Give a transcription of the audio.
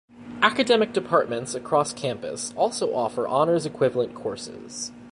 Academic departments across campus also offer honors equivalent courses.